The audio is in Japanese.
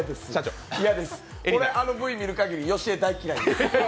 嫌です、あのＶを見るかぎり、よしえ大嫌いです。